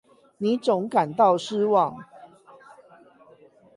你總感到失望